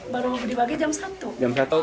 baru dibagi jam satu